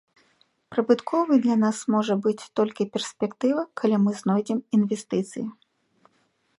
Прыбытковай для нас можа быць толькі перспектыва, калі мы знойдзем інвестыцыі.